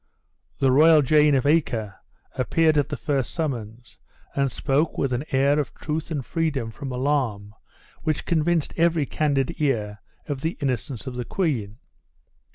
The royal Jane of Acre appeared at the first summons, and spoke with an air of truth and freedom from alarm which convinced every candid ear of the innocence of the queen.